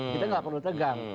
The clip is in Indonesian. kita gak perlu tegang